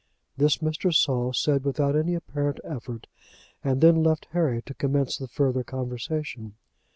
This Mr. Saul said without any apparent effort, and then left Harry to commence the further conversation.